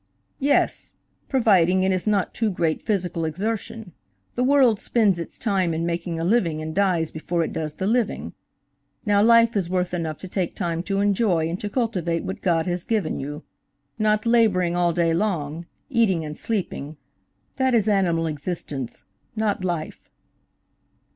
"Yes, providing it is not too great physicial exertion. The world spends its time in making a living and dies before it does the living. Now life is worth enough to take time to enjoy and to cultivate what God has given you; not laboring all day long, eating and sleeping–that is animal existence; not life."